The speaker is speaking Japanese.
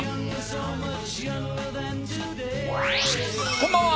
こんばんは。